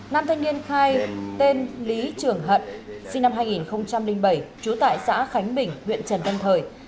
nam thanh niên khai tên lý trường hận sinh năm hai nghìn bảy trú tại xã khánh bình huyện trần văn thời